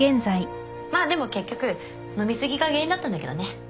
まあでも結局飲み過ぎが原因だったんだけどね。